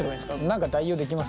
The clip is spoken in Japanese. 何か代用できます？